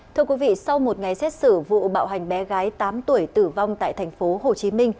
thưa quý vị sau một ngày xét xử vụ bạo hành bé gái tám tuổi tử vong tại tp hcm